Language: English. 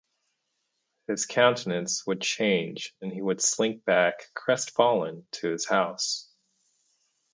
His countenance would change and he would slink back crestfallen to his house.